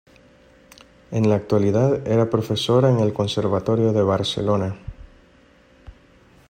En la actualidad era profesora en el Conservatorio de Barcelona.